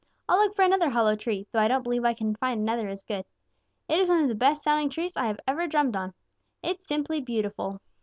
I'll look for another hollow tree, though I don't believe I can find another as good. It is one of the best sounding trees I have ever drummed on. It's simply beautiful!"